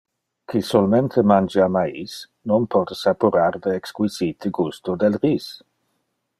Qui solmente mangia mais non pote saporar le exquisite gusto del ris.